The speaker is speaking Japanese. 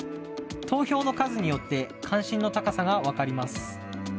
投票の数によって、関心の高さが分かります。